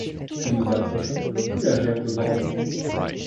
Plus nous approchons, plus la gerbe grandit.